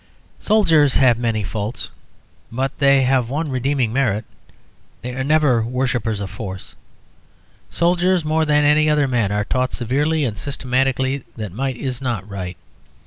Soldiers have many faults, but they have one redeeming merit; they are never worshippers of force. Soldiers more than any other men are taught severely and systematically that might is not right.